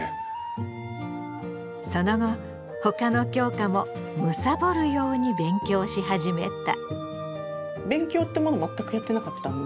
その後他の教科も貪るように勉強し始めた。